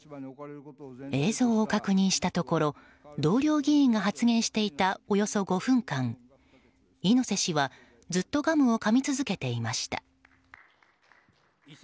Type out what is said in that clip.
映像を確認したところ同僚議員が発言していた、およそ５分間猪瀬氏はずっとガムをかみ続けていました。